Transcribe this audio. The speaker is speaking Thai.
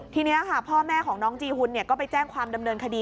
ทีนี้ค่ะพ่อแม่ของน้องจีหุ่นก็ไปแจ้งความดำเนินคดี